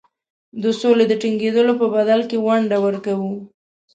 د سولي د ټینګېدلو په بدل کې ونډې ورکوو.